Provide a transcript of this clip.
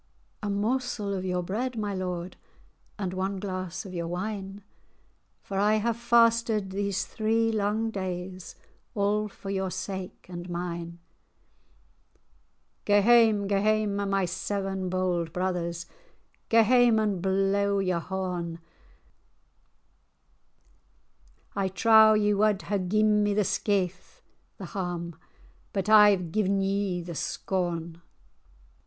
"A morsel of your bread, my lord, And one glass of your wine; For I have fasted these three lang days, All for your sake and mine. Gae hame, gae hame, my seven bauld brothers, Gae hame and blaw your horn! I trow[#] ye wad hae gi'en me the skaith,[#] But I've gi'en you the scorn. [#] reckon.